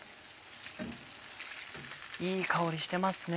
いい香りしてますね。